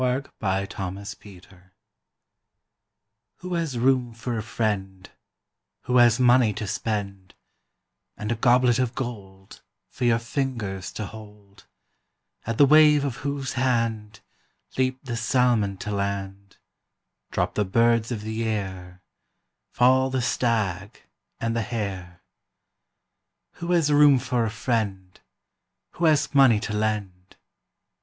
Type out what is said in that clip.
A FRIEND IN NEED Who has room for a friend Who has money to spend, And a goblet of gold For your fingers to hold, At the wave of whose hand Leap the salmon to land, Drop the birds of the air, Fall the stag and the hare. Who has room for a friend Who has money to lend?